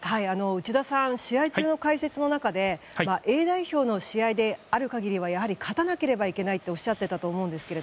内田さん試合中の解説の中でＡ代表の試合である限りはやはり勝たないといけないとおっしゃっていたと思うんですが